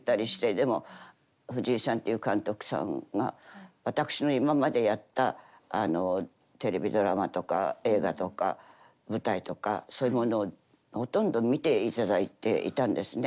でも藤井さんっていう監督さんが私の今までやったテレビドラマとか映画とか舞台とかそういうものをほとんど見ていただいていたんですね。